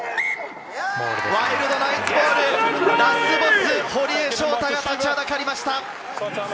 ワイルドナイツボール、ラスボス・堀江翔太が立ちはだかりました。